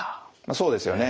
そうですよね。